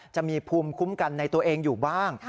จะมีภูมิคุ้มกันในตัวเองอยู่บ้าง